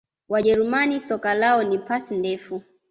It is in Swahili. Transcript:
wajerumani soka lao ni pasi ndefu